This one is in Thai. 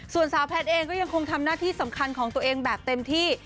ส่วนสาวแพทย์เองก็ยังคงทำหน้าที่สำคัญของตัวเองแบบเต็มที่